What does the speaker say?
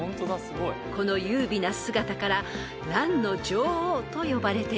［この優美な姿からランの女王と呼ばれています］